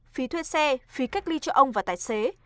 phí thuê xe phí cách ly cho ông và tài xế